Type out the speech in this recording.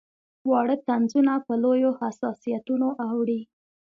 واړه طنزونه په لویو حساسیتونو اوړي.